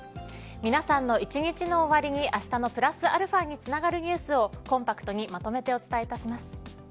皆さんの一日の終わりにあしたのプラスαにつながるニュースをコンパクトにまとめてお伝えいたします。